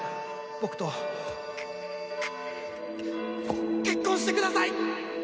僕とけ結婚してください！